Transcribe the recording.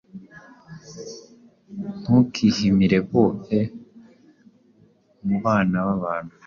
Ntukihimire boe mu Bana bAbantu,